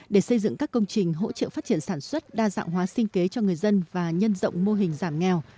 để xây dựng các công trình hỗ trợ phát triển sản xuất đa dạng hóa sinh kế cho người dân và nhân rộng mô hình giảm nghèo